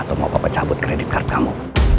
atau mau papa cabut kredit card kamu